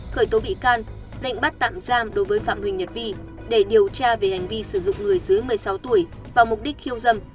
khởi tố bị can lệnh bắt tạm giam đối với phạm huỳnh nhật vi để điều tra về hành vi sử dụng người dưới một mươi sáu tuổi vào mục đích khiêu dâm